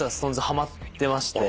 はまってまして。